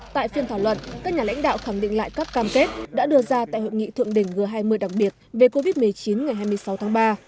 tại phiên thảo luận các nhà lãnh đạo khẳng định lại các cam kết đã đưa ra tại hội nghị thượng đỉnh g hai mươi đặc biệt về covid một mươi chín ngày hai mươi sáu tháng ba